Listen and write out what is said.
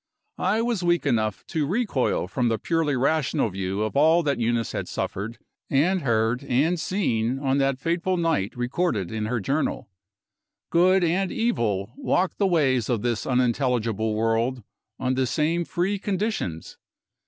I was weak enough to recoil from the purely rational view of all that Eunice had suffered, and heard, and seen, on the fateful night recorded in her Journal. Good and Evil walk the ways of this unintelligible world, on the same free conditions.